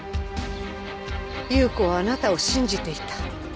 夕子はあなたを信じていた。